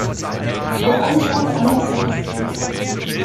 Doch alles kommt anders als geplant.